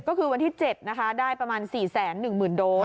ก็คือวันที่๗นะคะได้ประมาณ๔๑๐๐๐โดส